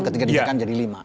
ketika ditekan jadi lima